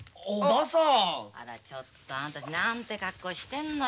あらちょっとあんたたち何て格好してんのよ。